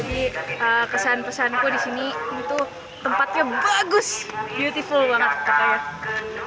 jadi kesan pesanku di sini itu tempatnya bagus beautiful banget katanya